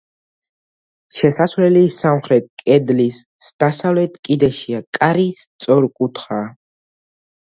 შესასვლელი სამხრეთ კედლის დასავლეთ კიდეშია, კარი სწორკუთხაა.